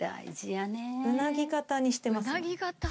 うなぎ形にしてますね。